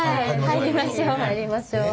入りましょう。